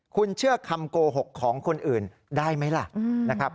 คุณเชื่อคำโกหกของคนอื่นได้ไหมล่ะนะครับ